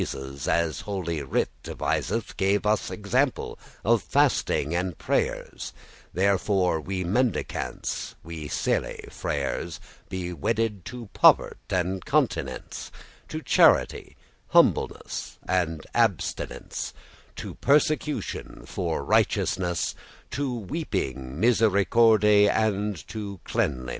Our Lord Jesus, as Holy Writ deviseth,* *narrates Gave us example of fasting and prayeres: Therefore we mendicants, we sely* freres, *simple, lowly Be wedded to povert' and continence, To charity, humbless, and abstinence, To persecution for righteousness, To weeping, misericorde,* and to cleanness.